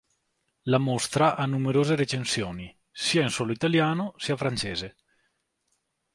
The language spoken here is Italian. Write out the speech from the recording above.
La mostra ha numerose recensioni, sia in suolo italiano sia francese.